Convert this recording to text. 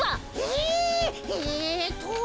えっと。